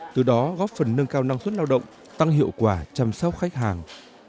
từ đó góp phần nâng cao năng suất lao động tăng hiệu quả chăm sóc khách hàng